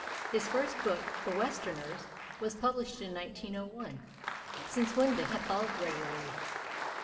His first book, The Westerners, was published in 1901, since when they have followed regularly.